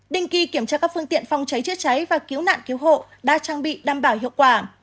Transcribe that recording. đình kỳ kiểm tra các phương tiện phòng cháy chữa cháy và cứu nạn cứu hộ đã trang bị đảm bảo hiệu quả